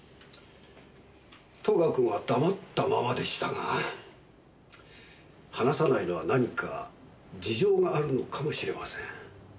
戸川君は黙ったままでしたが話さないのは何か事情があるのかもしれません。